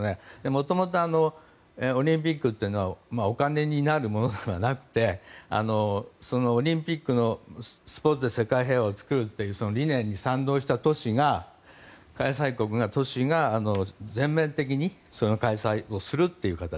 もともと、オリンピックってお金になるものではなくてオリンピックでスポーツで世界平和を作るという理念に賛同した開催国が、都市が全面的に開催をするという形。